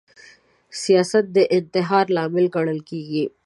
سیاست د انتحار لامل ګڼل کیږي